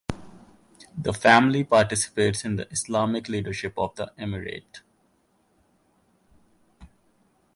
The family participates in the Islamic leadership of the Emirate.